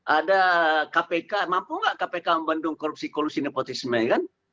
ada kpk mampu nggak kpk membendung korupsi kolusi nepotisme kan